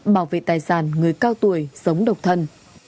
bảo vệ tài sản người cao tuổi sống độc thân